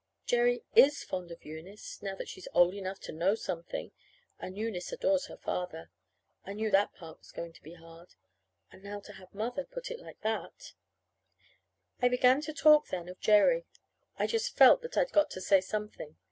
Jerry is fond of Eunice, now that she's old enough to know something, and Eunice adores her father. I knew that part was going to be hard. And now to have Mother put it like that I began to talk then of Jerry. I just felt that I'd got to say something.